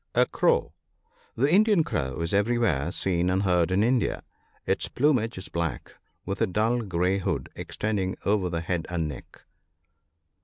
A crow. — The Indian crow is everywhere seen and heard in India. Its plumage is black, with a dull grey hood extending over the head and neck.